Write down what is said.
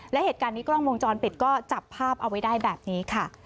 และเหตุการณ์นี้กล้องวงจรปิดก็จับภาพเอาไว้ได้แบบนี้ค่ะ